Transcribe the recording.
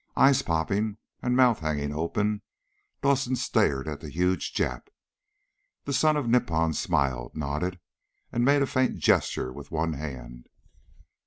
Eyes popping, and mouth hanging open, Dawson stared at the huge Jap. The son of Nippon smiled, nodded, and made a faint gesture with one hand.